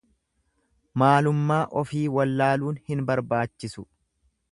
Maalummaa ofii wallaaluun hin barbaachisu.